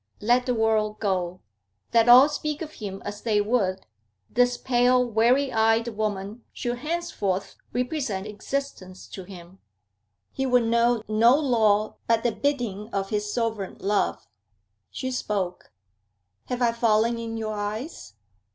Let the world go; let all speak of him as they would; this pale, weary eyed woman should henceforth represent existence to him. He would know no law but the bidding of his sovereign love. She spoke. 'Have I fallen in your eyes?'